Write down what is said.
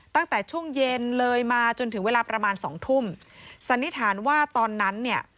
ตั้งแต่ช่วงเย็นเลยมาจนถึงเวลาประมาณสองทุ่มสันนิษฐานว่าตอนนั้นเนี่ย